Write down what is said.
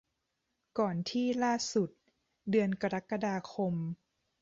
ก่อนที่ล่าสุด เดือนกรกฎาคม